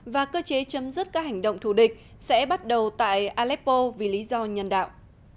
và cơ chế chấm dứt các hành động thù địch sẽ bắt đầu tại aleppo vì lý do nhân đạo